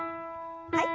はい。